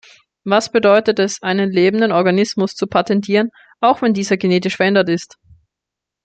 Was bedeutet es, einen lebenden Organismus zu patentieren, auch wenn dieser genetisch verändert ist?